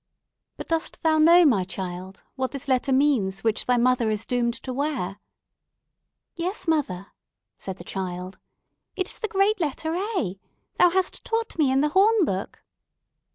But dost thou know, my child, what this letter means which thy mother is doomed to wear?" "Yes, mother," said the child. "It is the great letter A. Thou hast taught me in the horn book."